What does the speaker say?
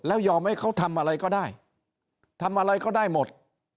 แล้วยอมให้เขาทำอะไรก็ได้ทำอะไรก็ได้หมด